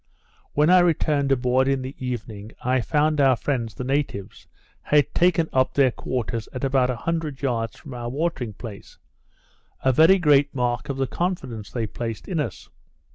When I returned aboard in the evening, I found our friends, the natives, had taken up their quarters at about a hundred yards from our watering place; a very great mark of the confidence they placed in us.